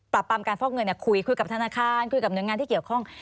ปรับปรามการฟอกเงินคุยคุยกับธนาคารคุยกับหน่วยงานที่เกี่ยวข้อง